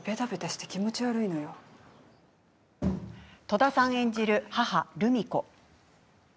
戸田さん演じる母・ルミ子。